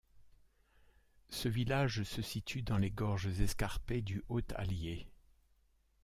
Ce village se situe dans les gorges escarpées du Haut Allier.